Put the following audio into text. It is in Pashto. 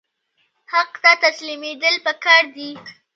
حق ته تسلیمیدل پکار دي